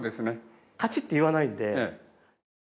カチッて言わないんで。